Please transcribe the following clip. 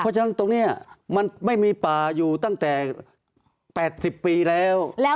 เพราะฉะนั้นตรงนี้มันไม่มีป่าอยู่ตั้งแต่๘๐ปีแล้ว